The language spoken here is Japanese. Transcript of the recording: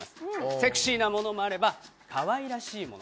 セクシーなものもあれば可愛らしいもの